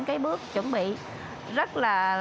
cái bước chuẩn bị rất là